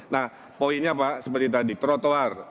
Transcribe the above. nah poinnya pak seperti tadi trotoar